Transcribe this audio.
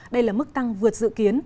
đây là mức tăng vượt dự kiến